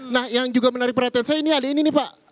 nah yang juga menarik perhatian saya ini hari ini nih pak